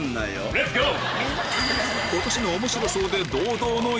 レッツゴー！